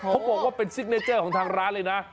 เขาบอกว่าเป็นซิกเนเจอร์ของทางร้านเลยนะ